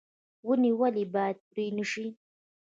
ونې ولې باید پرې نشي؟